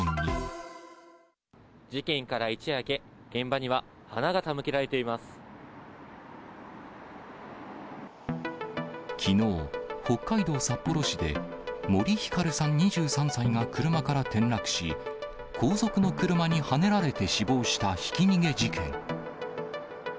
事件から一夜明け、きのう、北海道札幌市で、森ひかるさん２３歳が車から転落し、後続の車にはねられて死亡したひき逃げ事件。